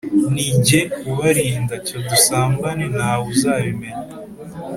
"ni jye ubarinda, cyo dusambane nta we uzabimenya